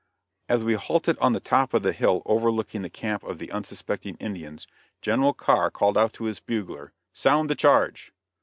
As we halted on the top of the hill overlooking the camp of the unsuspecting Indians, General Carr called out to his bugler: "Sound the charge!"